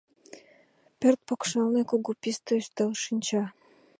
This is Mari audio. Пӧрт покшелне кугу писте ӱстел шинча.